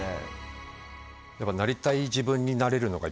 やっぱなりたい自分になれるのが一番いいかもね。